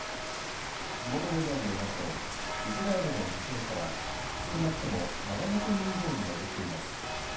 地元メディアによりますとイスラエルの犠牲者は少なくとも７００人以上に上っています。